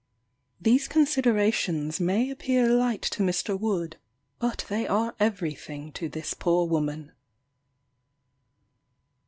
These considerations may appear light to Mr. Wood, but they are every thing to this poor woman.